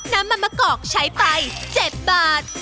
น้ำมันมะกอกใช้ไป๗บาท